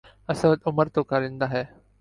اسد عمر تو کارندہ ہے۔